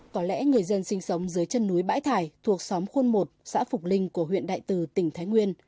có lẽ người dân sinh sống dưới chân núi bãi thải thuộc xóm khuôn một xã phục linh của huyện đại từ tỉnh thái nguyên